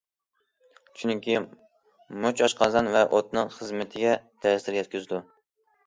چۈنكى مۇچ ئاشقازان ۋە ئۆتنىڭ خىزمىتىگە تەسىر يەتكۈزىدۇ.